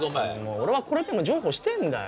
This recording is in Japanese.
俺はこれでも譲歩してんだよ。